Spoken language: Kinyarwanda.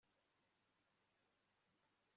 ubwa gatatu bugatera umujinya